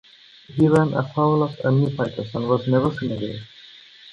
He ran afoul of enemy fighters and was never seen again.